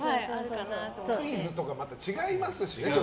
クイズとかまた違いますしね。